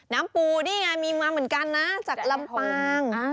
น้ำปูนี่ไงมีมาเหมือนกันนะจากลำปาง